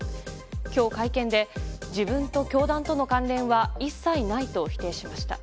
今日、会見で自分と教団との関連は一切ないと否定しました。